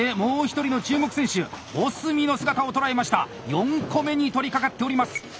４個目に取りかかっております！